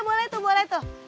boleh tuh boleh tuh